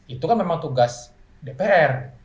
itu kan memang tugas dpr